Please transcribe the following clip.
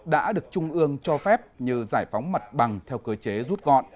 đã được trung ương cho phép như giải phóng mặt bằng theo cơ chế rút gọn